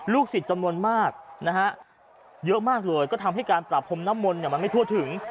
ลูกศิษย์จะมนต์มากนะฮะเยอะมากเลยก็ทำให้การปรับพรมน้ำมนต์เนี่ยมันไม่ทั่วถึง